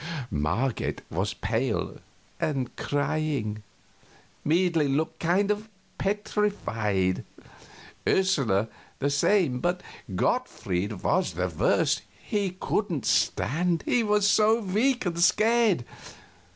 Marget was pale, and crying; Meidling looked kind of petrified; Ursula the same; but Gottfried was the worst he couldn't stand, he was so weak and scared.